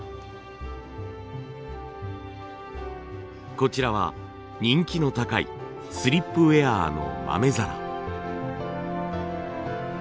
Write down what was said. こちらは人気の高いスリップウェアの豆皿。